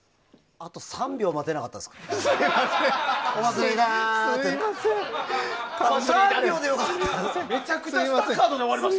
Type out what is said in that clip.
あと３秒待てなかったですか？